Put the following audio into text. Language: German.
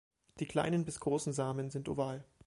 Die kleinen bis großen Samen sind oval.